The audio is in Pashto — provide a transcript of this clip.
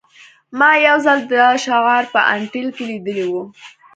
ما یو ځل دا شعار په انټیل کې لیدلی و